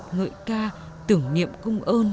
ngợi ca tưởng niệm cung ơn